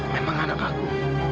memang anak aku